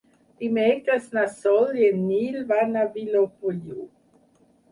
Dimecres na Sol i en Nil van a Vilopriu.